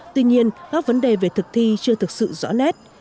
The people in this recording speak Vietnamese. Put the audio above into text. tuy nhiên các vấn đề về thực thi chưa thực sự rõ nét